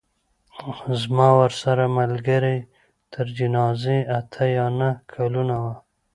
زما ورسره ملګرۍ تر جنازې اته یا نهه کلونه وه.